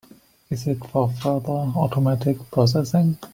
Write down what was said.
Is it for further automatic processing?